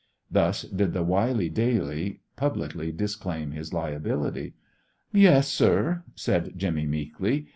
Thus did the wily Daly publicly disclaim his liability. "Yes, sir," said Jimmy, meekly.